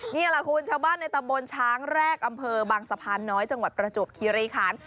นี่แหละคุณชาวบ้านในตำบลช้างแรกอำเภอบางสะพานน้อยจังหวัดประจวบคีรีคัน